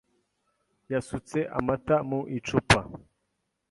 Yasutse amata mu icupa.